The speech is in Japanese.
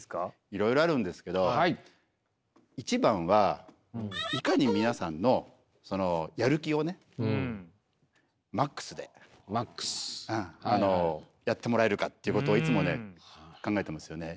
いろいろあるんですけど一番はいかに皆さんのやる気をねマックスでやってもらえるかっていうことをいつもね考えてますよね。